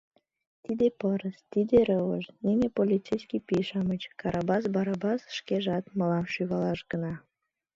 — Тиде пырыс, тиде рывыж, нине полицейский пий-шамыч, Карабас Барабас шкежат — мылам шӱвалаш гына!